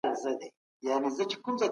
د پنبي پروسس کول ډېر دقت او مهارت غواړي.